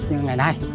như ngày nay